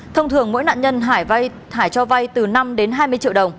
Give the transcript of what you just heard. thông thường mỗi nạn nhân hải cho vai từ năm đến hai mươi triệu đồng